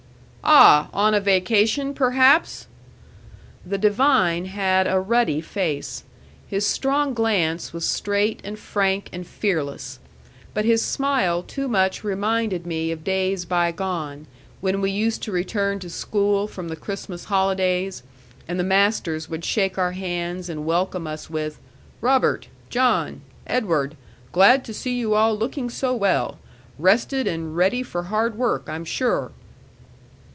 "Ah! On a vacation, perhaps?" The divine had a ruddy facet. His strong glance was straight and frank and fearless; but his smile too much reminded me of days bygone, when we used to return to school from the Christmas holidays, and the masters would shake our hands and welcome us with: "Robert, John, Edward, glad to see you all looking so well! Rested, and ready for hard work, I'm sure!"